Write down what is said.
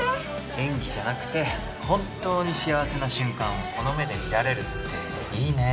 演技じゃなくて本当に幸せな瞬間をこの目で見られるっていいね。